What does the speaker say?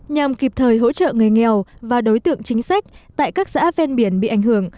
nhằm kịp thời hỗ trợ người nghèo và đối tượng chính sách tại các xã ven biển bị ảnh hưởng